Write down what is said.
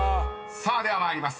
［さあでは参ります。